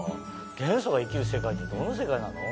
元素が生きる世界ってどういう世界なの？